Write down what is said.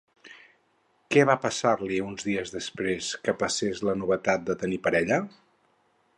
Què va passar-li uns dies després que passés la novetat de tenir parella?